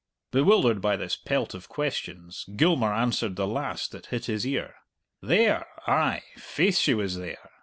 Bewildered by this pelt of questions, Gilmour answered the last that hit his ear. "There, ay; faith, she was there.